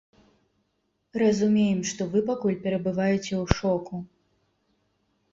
Разумеем, што вы пакуль перабываеце ў шоку.